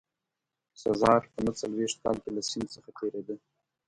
سزار په نه څلوېښت کال کې له سیند څخه تېرېده.